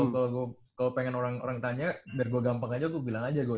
kalau gue pengen orang orang tanya biar gue gampang aja gue bilang aja gue